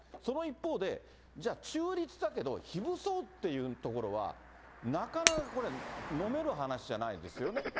その一方で、中立だけど非武装っていうところは、なかなかこれ、のめる話じゃないですよね。